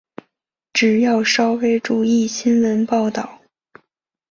只要稍微注意新闻报导